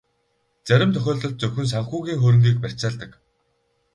Зарим тохиолдолд зөвхөн санхүүгийн хөрөнгийг барьцаалдаг.